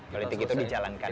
politik itu dijalankan ya